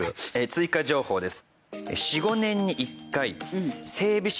追加情報です。